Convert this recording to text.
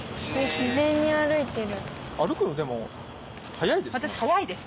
自然に歩いてる。